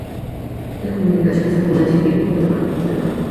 Hay versiones de comunicaciones, ambulancia y vehículo de mando.